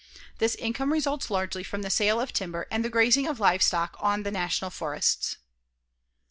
This income results largely from the sale of timber and the grazing of livestock on the National Forests.